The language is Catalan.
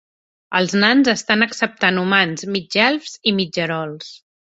Els nans estan acceptant humans, mig elfs i mitgerols.